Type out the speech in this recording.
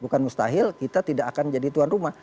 bukan mustahil kita tidak akan jadi tuan rumah